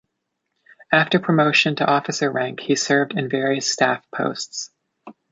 After promotion to officer rank he served in various staff posts.